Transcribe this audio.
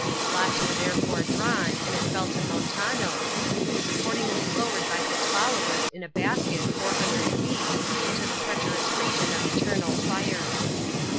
Lots were therefore drawn, and it fell to Montano, who was accordingly lowered by his followers in a basket 400 feet into the treacherous region of eternal fires.